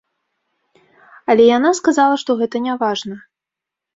Але яна сказала, што гэта не важна.